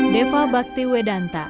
deva bhakti wedanta